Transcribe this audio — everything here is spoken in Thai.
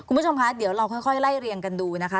คุณผู้ชมคะเดี๋ยวเราค่อยไล่เรียงกันดูนะคะ